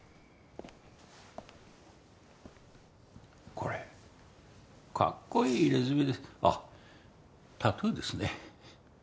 これかっこいい入れ墨あっタトゥーですね。